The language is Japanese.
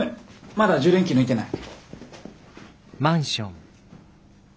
まだ充電器抜いてない。